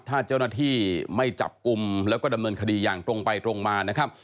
ถ้าเจ้าหน้าที่ไม่จับกลุ่มแล้วก็ดำเนินคดีอย่างตรงไปตรงมานะครับ